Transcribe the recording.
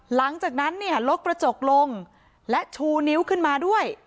หลังจากนั้นเนี่ยลดกระจกลงและชูนิ้วขึ้นมาด้วย